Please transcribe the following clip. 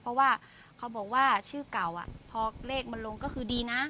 เพราะว่าเขาบอกว่าชื่อเก่าพอเลขมันลงก็คือดีนะ